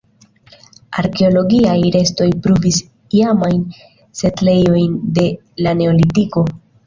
Arkeologiaj restoj pruvis iamajn setlejojn de la neolitiko.